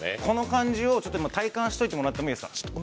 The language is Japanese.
この感じを体感しといてもらってもいいですか。